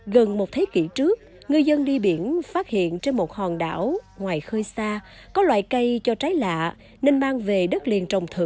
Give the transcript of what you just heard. gần một thế kỷ trước người dân đi biển phát hiện trên một hòn đảo ngoài khơi xa có loài cây cho trái lạ nên mang về đất liền trồng thửa